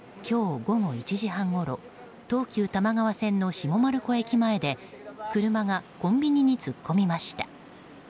今日午後１時半ごろ東急多摩川線の下丸子駅前で車がコンビニに突っ込みました。